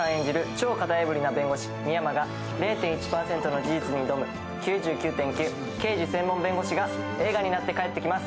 超型破りな弁護士、深山が０．１％の事実に挑む「９９．９」が映画になって帰ってきます。